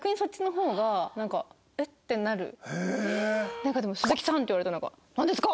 なんかでも「鈴木さん！」って言われたらなんですか！？